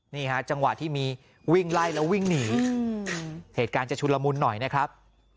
นี่ฮะจังหวะที่มีวิ่งไล่แล้ววิ่งหนีเหตุการณ์จะชุนละมุนหน่อยนะครับ